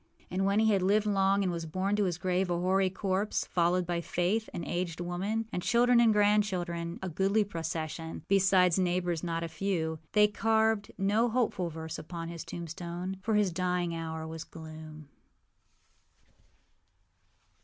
And when he had lived long, and was borne to his grave a hoary corpse, followed by Faith, an aged woman, and children and grandchildren, a goodly procession, besides neighbors not a few, they carved no hopeful verse upon his tombstone, for his dying hour was gloom.